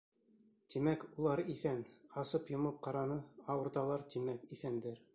Тимәк, улар иҫән, асып-йомоп ҡараны, ауырталар, тимәк, иҫәндәр.